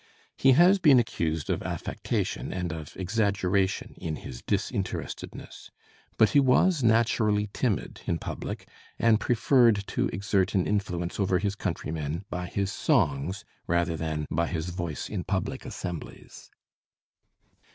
He has been accused of affectation, and of exaggeration in his disinterestedness; but he was naturally timid in public, and preferred to exert an influence over his countrymen by his songs rather than by his voice in public assemblies.